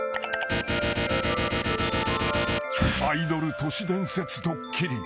［アイドル都市伝説ドッキリ］